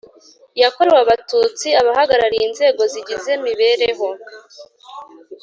Yakorewe abatutsi abahagarariye inzego zigize mibereho